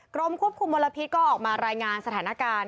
กรมควบคุมมลพิษก็ออกมารายงานสถานการณ์